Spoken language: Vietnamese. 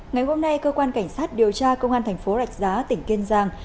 ngày hôm nay cơ quan cảnh sát điều tra công an tp rạch giá tỉnh kiên giang